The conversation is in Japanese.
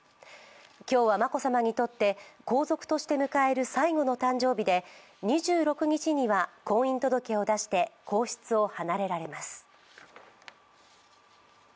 今日は眞子さまにとって皇族として迎える最後の誕生日で２６日には婚姻届を出して皇室を離れられます。